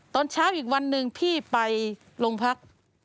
ตอนเช้าอีกวันหนึ่งพี่ไปโรงพัก